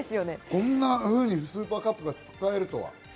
こんなふうにスーパーカップが使えるとは。